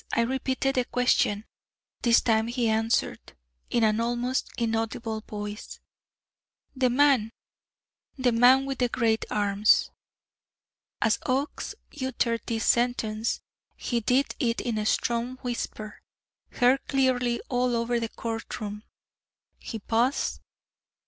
I repeated the question. This time he answered, in an almost inaudible voice: 'The man the man with the great arms.'" As Oakes uttered this sentence, he did it in a strong whisper heard clearly all over the court room. He paused.